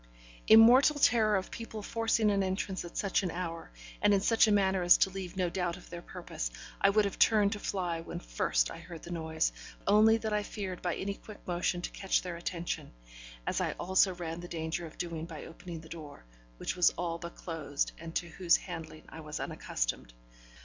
In mortal terror of people forcing an entrance at such an hour, and in such a manner as to leave no doubt of their purpose, I would have turned to fly when first I heard the noise, only that I feared by any quick motion to catch their attention, as I also ran the danger of doing by opening the door, which was all but closed and to whose handlings I was unaccustomed.